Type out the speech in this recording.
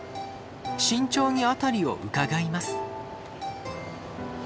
慎重に辺りをうかがいます。